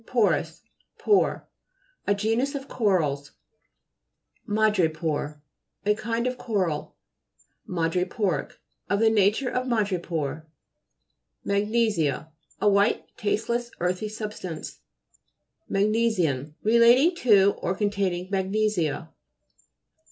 porus, pore. A genus of corals (p. 141). MADREPORE A kind of coral. MADHEPO'RIC Of the nature of ma drepore. MAGNE'SIA A white, tasteless earthy substance. MAGNE'SIAN Relating to, or con taining magnesia.